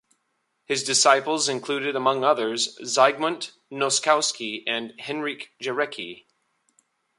His disciples included, among others, Zygmunt Noskowski and Henryk Jarecki.